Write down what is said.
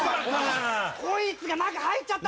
こいつが中入っちゃった。